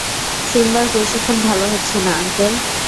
সিম্বার প্রশিক্ষণ ভালো হচ্ছে না, আঙ্কেল।